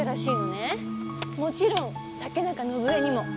もちろん竹中伸枝にも。